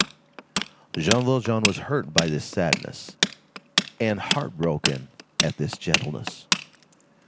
Jean Valjean was hurt by this sadness, and heart broken at this gentleness.